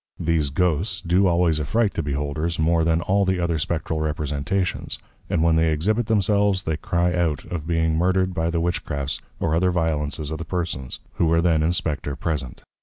These Ghosts do always affright the Beholders more than all the other spectral Representations; and when they exhibit themselves, they cry out, of being Murthered by the Witch crafts or other Violences of the Persons who are then in Spectre present.